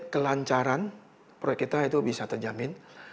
kelancaran proyek kita itu bisa terjamin